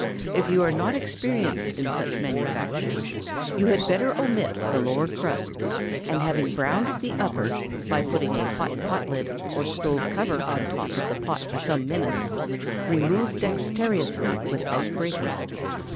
If you are not experienced in such manufactures, you had better omit the lower crust; and, having browned the upper, by putting a hot pot lid or stove cover on top of the pot for some minutes, remove dexterously without breaking.